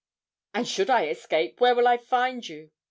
"And should I escape, where will I find you?"